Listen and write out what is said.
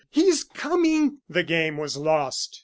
He is coming!" The game was lost.